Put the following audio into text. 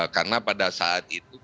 karena pada saat itu konsentrasi